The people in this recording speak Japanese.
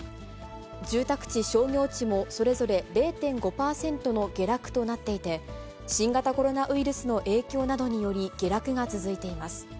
住宅地、商業地もそれぞれ０．５％の下落となっていて、新型コロナウイルスの影響などにより下落が続いています。